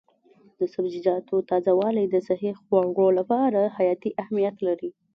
د سبزیجاتو تازه والي د صحي خوړو لپاره حیاتي اهمیت لري.